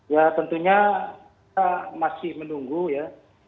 ya tentunya kita masih menunggu ya